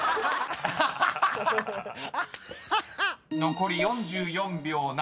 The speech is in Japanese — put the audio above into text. ［残り４４秒７。